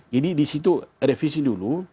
jadi disitu revisi dulu